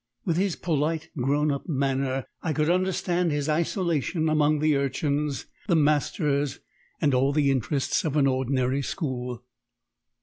With his polite grown up manner I could understand his isolation among the urchins, the masters, and all the interests of an ordinary school.